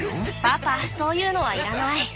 パパそういうのはいらない。